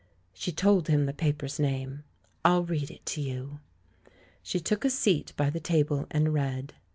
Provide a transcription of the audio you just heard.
She told him the paper's name. "I'll read it to you." She took a seat by the table, and read.